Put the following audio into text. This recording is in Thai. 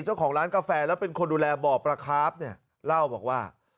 เจ้าของร้านกาแฟแล้วเป็นคนดูแลบ่อปลาคาร์ฟเนี่ยเล่าบอกว่า